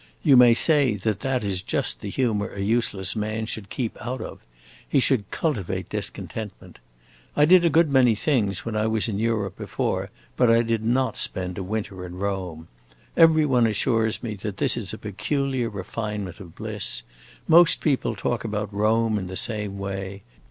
You may say that that is just the humor a useless man should keep out of. He should cultivate discontentment. I did a good many things when I was in Europe before, but I did not spend a winter in Rome. Every one assures me that this is a peculiar refinement of bliss; most people talk about Rome in the same way.